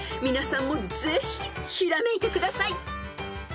［皆さんもぜひひらめいてください］